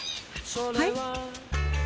はい？